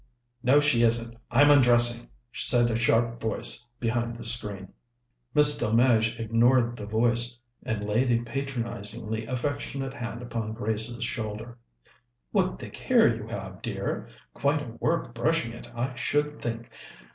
"No, she isn't. I'm undressing," said a sharp voice behind the screen. Miss Delmege ignored the voice, and laid a patronizingly affectionate hand upon Grace's shoulder. "What thick hair you have, dear! Quite a work brushing it, I should think.